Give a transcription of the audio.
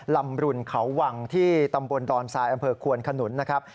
ลำรุนเขาวังที่ตำบลดอนทรายอำเภอควนขนุนนะครับ